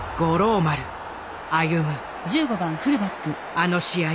あの試合